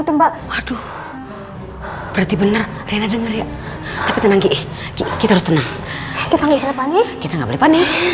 sama aduh berarti bener rina dengerin kita harus tenang kita nggak boleh panik